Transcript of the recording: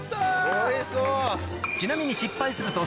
おいしそう。